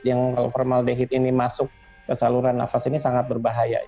kalau formaldehyde ini masuk ke saluran nafas ini sangat berbahaya